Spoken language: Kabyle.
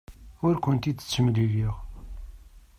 Ur kent-id-ttemliliɣ.